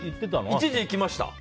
一時、行きました。